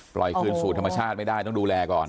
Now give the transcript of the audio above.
คืนสู่ธรรมชาติไม่ได้ต้องดูแลก่อน